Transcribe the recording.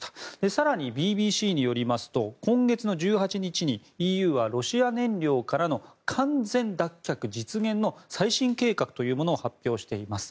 更に、ＢＢＣによりますと今月１８日にＥＵはロシア燃料からの完全脱却実現の最新計画というものを発表しています。